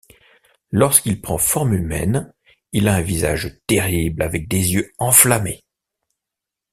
Lorsqu'il prend forme humaine, il a un visage terrible avec des yeux enflammés.